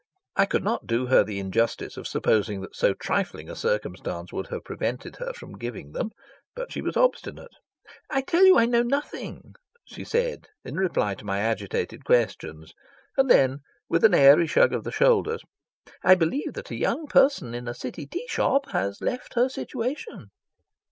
I could not do her the injustice of supposing that so trifling a circumstance would have prevented her from giving them, but she was obstinate. "I tell you I know nothing," she said, in reply to my agitated questions, and then, with an airy shrug of the shoulders: "I believe that a young person in a city tea shop has left her situation."